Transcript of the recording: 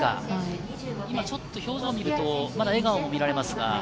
今、表情を見ると、まだ笑顔も見られますが。